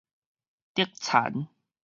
竹田